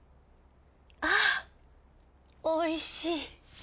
あおいしい。